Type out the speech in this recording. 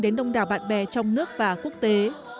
đến đông đảo bạn bè trong nước và quốc tế